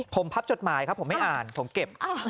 ผมพับจดหมายครับผมไม่อ่านผมเก็บ